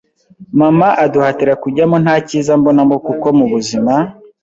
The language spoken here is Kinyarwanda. mama aduhatira kujyamo nta cyiza mbonamo kuko mu buzima